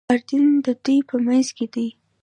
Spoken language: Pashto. اردن د دوی په منځ کې دی.